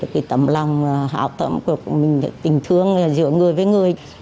cái tâm lòng hào tâm của mình tình thương giữa người với người